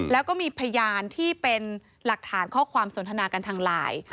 แล้วก็มีพยานที่เป็นหลักฐานข้อความสนทนากันทางไลน์